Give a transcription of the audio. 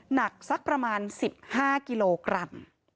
หนักสักประมาณ๑๕กิโลกรัม